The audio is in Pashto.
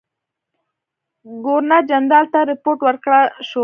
ګورنر جنرال ته رپوټ ورکړه شو.